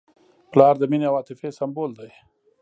پلار د مینې او عاطفې سمبول دی.